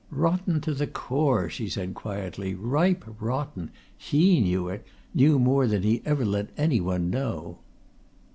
"Rotten to the core!" she said quietly. "Ripe rotten! He knew it! knew more than he ever let anyone know!"